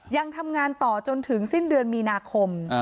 ยังทำงานต่อจนถึงสิ้นเดือนมีนาคม